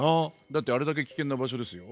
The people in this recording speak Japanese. だってあれだけ危険な場所ですよ。